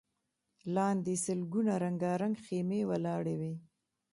لاندې سلګونه رنګارنګ خيمې ولاړې وې.